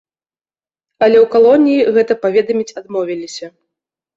Але ў калоніі гэта паведаміць адмовіліся.